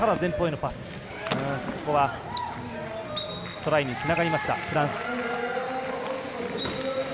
トライにつながりましたフランス。